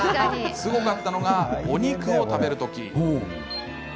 すごかったのが、お肉を食べる時。